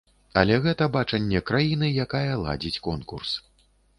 Але гэта бачанне краіны, якая ладзіць конкурс.